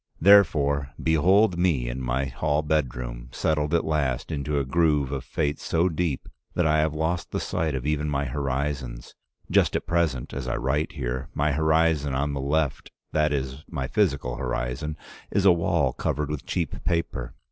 Therefore behold me in my hall bedroom, settled at last into a groove of fate so deep that I have lost the sight of even my horizons. Just at present, as I write here, my horizon on the left, that is my physical horizon, is a wall covered with cheap paper.